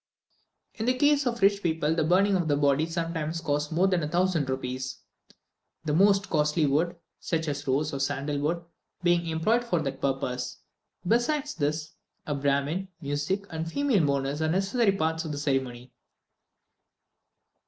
In the case of rich people, the burning of the body sometimes costs more than a thousand rupees; the most costly wood, such as rose and sandal wood, being employed for that purpose. Besides this, a Brahmin, music, and female mourners, are necessary parts of the ceremony.